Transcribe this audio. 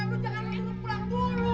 lu jangan dulu pulang dulu